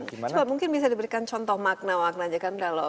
coba mungkin bisa diberikan contoh makna makna saja